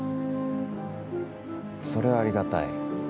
それはありがたい。